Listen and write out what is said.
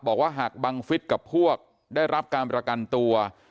บอกว่าหากบังฟิศกับพวกได้รับการประกันตัว